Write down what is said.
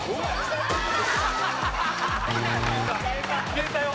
消えたよ。